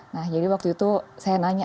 nah jadi waktu itu saya nanya